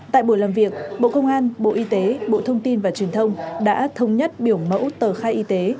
tại buổi làm việc bộ công an bộ y tế bộ thông tin và truyền thông đã thống nhất biểu mẫu tờ khai y tế